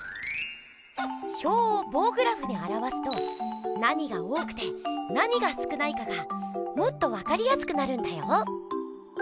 表をぼうグラフにあらわすと何が多くて何が少ないかがもっとわかりやすくなるんだよ。